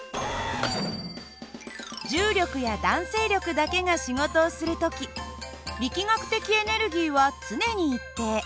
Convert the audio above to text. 重力や弾性力だけが仕事をする時力学的エネルギーは常に一定。